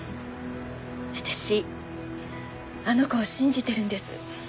私あの子を信じてるんです。